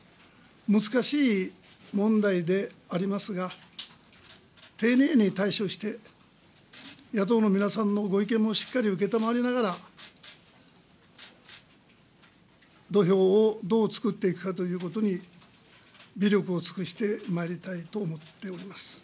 難しい問題でありますが、丁寧に対処して、野党の皆さんのご意見もしっかり承りながら、土俵をどう作っていくかということに微力を尽くしてまいりたいと思っております。